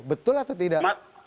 betul atau tidak